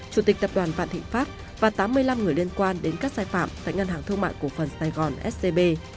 chủ tịch tập đoàn vạn thịnh pháp và tám mươi năm người liên quan đến các sai phạm tại ngân hàng thương mại cổ phần sài gòn scb